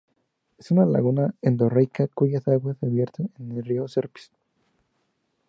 Es una laguna endorreica cuyas aguas se vierten al río Serpis.